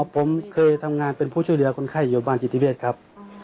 ผมเคยทำงานเป็นผู้ช่วยเรือกับคนไข้ยอดบ้านจิตรีเวียดครับ